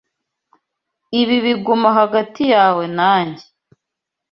Ibi biguma hagati yawe nanjye.